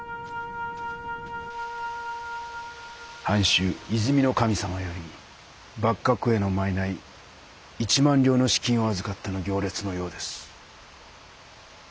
藩主和泉守様より幕閣への賂１万両の資金を預かっての行列のようです。